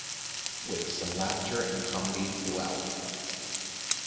With some laughter and comedy throughout.